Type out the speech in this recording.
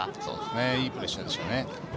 いいプレッシャーでしたね。